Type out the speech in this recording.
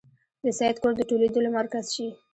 د سید کور د ټولېدلو مرکز شي.